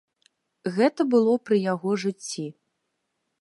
Гэта было пры яго жыцці.